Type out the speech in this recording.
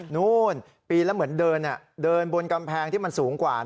นู่นปีนแล้วเหมือนเดินเดินบนกำแพงที่มันสูงกว่า